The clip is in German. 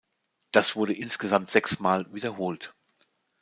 Das wurde insgesamt sechsmal wiederholt.